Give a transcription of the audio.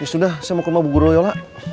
ya sudah saya mau ke rumah bu guruyola